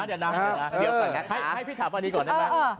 เดี๋ยวนะเดี๋ยวก่อนนะให้พี่ถามวันนี้ก่อนได้ไหม